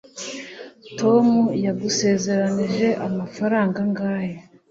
tom yagusezeranije amafaranga angahe